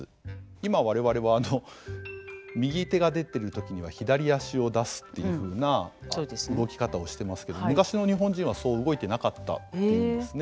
今我々は右手が出てる時には左足を出すっていうふうな動き方をしてますけど昔の日本人はそう動いてなかったっていうんですね。